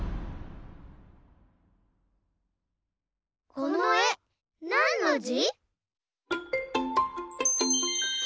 このえなんのじ？